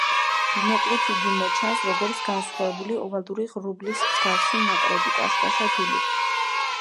ბინოკლით იგი მოჩანს როგორც განსხვავებული ოვალური ღრუბლის მსგავსი ნაკრები, კაშკაშა გულით.